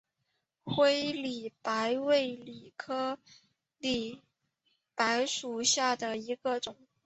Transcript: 灰里白为里白科里白属下的一个种。